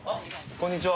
こんにちは。